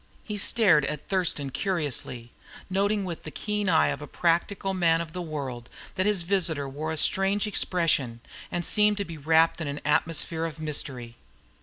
He stared at Thurston curiously, noting with the keen eye of a practical man of the world that his visitor wore a strange expression, and seemed to be wrapped in an atmosphere of mystery.